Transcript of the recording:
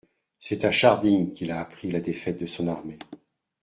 C'est à Scharding qu'il a appris la défaite de son armée.